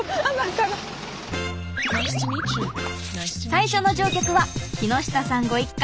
最初の乗客は木下さんご一家。